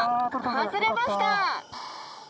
外れました！